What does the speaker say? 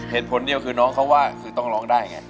เหตุผลเดียวคือน้องเขาว่าคือต้องร้องได้ไง